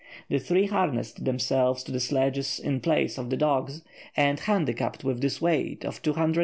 The three harnessed themselves to the sledges in place of the dogs, and, handicapped with this weight of 240 lbs.